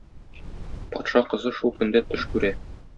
Патша кызы шул көндә төш күрә.